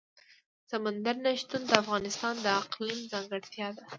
سمندر نه شتون د افغانستان د اقلیم ځانګړتیا ده.